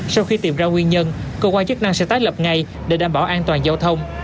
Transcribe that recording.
sau khi tìm ra nguyên nhân cơ quan chức năng sẽ tái lập ngay để đảm bảo an toàn giao thông